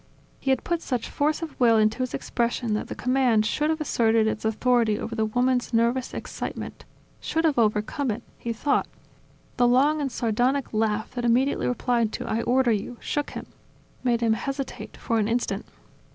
He had put such force of will into his expression that the command should have asserted its authority over the woman's nervous excitement, should have overcome it he thought . The long and sardonic laugh that immediately replied to "I order you," shook him, made him hesitate for an instant.